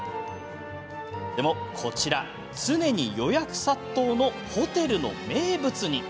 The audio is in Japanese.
でも、こちら常に予約殺到のホテルの名物に。